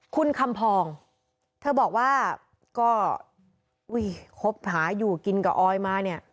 คุณคำพองเธอบอกว่าก็อุ้ยคบหาอยู่กินกับออยมาเนี่ย